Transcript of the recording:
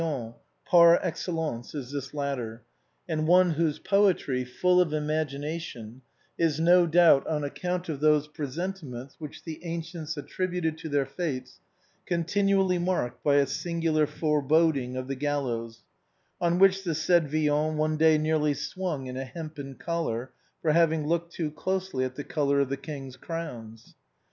Poet and vagabond, par excel lence, is this latter, and one whose poetry, full of imagina tion, is no doubt on account of those presentiments which the ancients attributed to their vates, continually marked by a singular foreboding of the gallows, on which the said Villon one day nearly swung in a hempen collar for having looked too closely at the color of the king's crowns.